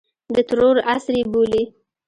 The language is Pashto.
د ترور عصر یې بولي.